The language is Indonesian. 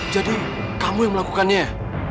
jadi kamu yang melakukannya